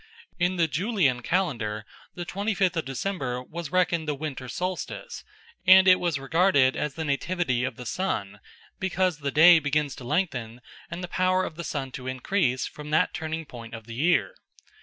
In the Julian calendar the twenty fifth of December was reckoned the winter solstice, and it was regarded as the Nativity of the Sun, because the day begins to lengthen and the power of the sun to increase from that turning point of the year.